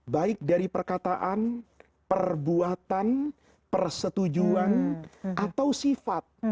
baik dari perkataan perbuatan persetujuan atau sifat